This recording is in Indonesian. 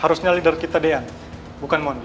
harusnya leader kita dean bukan mony